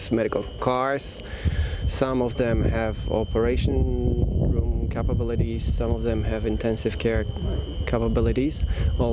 beberapa dari mereka memiliki kemampuan operasi beberapa dari mereka memiliki kemampuan penyelamatan intensif